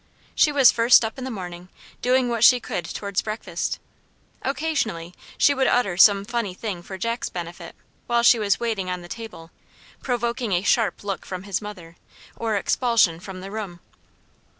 She was first up in the morning, doing what she could towards breakfast. Occasionally, she would utter some funny thing for Jack's benefit, while she was waiting on the table, provoking a sharp look from his mother, or expulsion from the room.